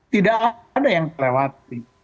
tidak ada yang lewati